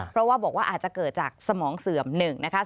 เพราะว่าบอกว่าอาจจะเกิดจากสมองเสื่อมหนึ่งนะคะ